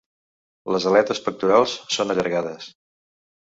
Les aletes pectorals són allargades.